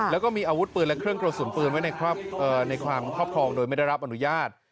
แล้วก็มีอาวุธปืนและเครื่องกระสุนปืนไว้ในความครอบครองโดยไม่ได้รับอนุญาต